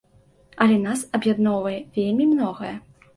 Але нас аб'ядноўвае вельмі многае.